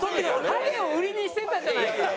ハゲを売りにしてたじゃないか！